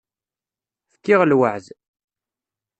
Fkiɣ lweεd.